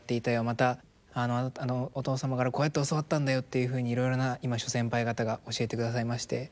また「お父様からこうやって教わったんだよ」っていうふうにいろいろな今諸先輩方が教えてくださいまして。